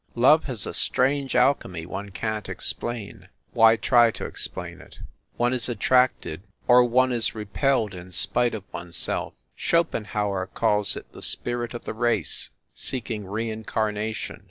Love has a strange alchemy one can t explain. Why try to explain it? One is attracted, or one is repelled in spite of one s self. Schopenhauer calls it the Spirit of the Race, seeking reincarnation.